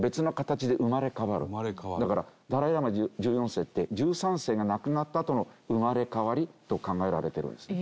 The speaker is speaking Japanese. だからダライ・ラマ１４世って１３世が亡くなったあとの生まれ変わりと考えられてるんですよ。